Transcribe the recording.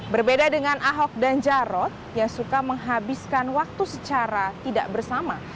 berbeda dengan ahok dan jarot ia suka menghabiskan waktu secara tidak bersama